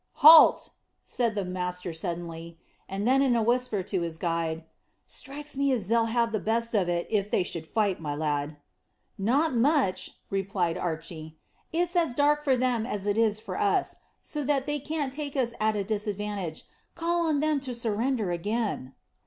"Halt!" said the master suddenly, and then in a whisper to his guide, "Strikes me as they'll have the best of it if they should fight, my lad." "Not much," replied Archy; "it's as dark for them as it is for us, so that they can't take us at a disadvantage. Call on them to surrender again."